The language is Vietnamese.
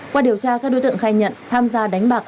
qua điều tra các đối tượng khai nhận tham gia đánh bạc